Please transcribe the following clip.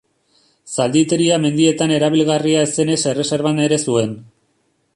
Zalditeria mendietan erabilgarria ez zenez erreserban ere zuen.